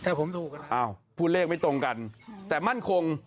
เอ้าพูดเลขไม่ตรงกันแต่มั่นคง